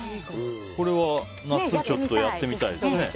これは夏やってみたいですね。